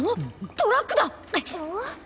トラック？